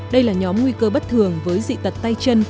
đây là nhóm nguy cơ bất thường với dị tật tay chân